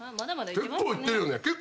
結構いってるね。